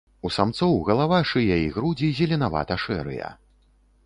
У самцоў галава, шыя і грудзі зеленавата-шэрыя.